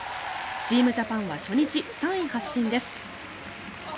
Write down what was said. チームジャパンは初日３位発進です。